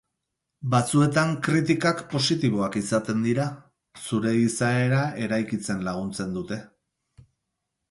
Batzuetan kritikak positiboak izaten dira, zure izaera eraikitzen laguntzen dute.